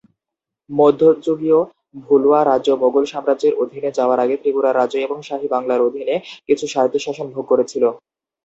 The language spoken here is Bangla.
মধ্যযুগীয় ভুলুয়া রাজ্য মোগল সাম্রাজ্যের অধীনে যাওয়ার আগে ত্রিপুরা রাজ্য এবং শাহী বাংলার অধীনে কিছু স্বায়ত্তশাসন ভোগ করেছিল।